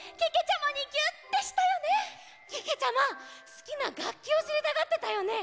すきながっきをしりたがってたよね！